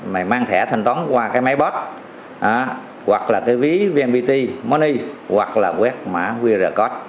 mày mang thẻ thanh toán qua cái máy bot hoặc là cái ví vnpt money hoặc là quét mã qr code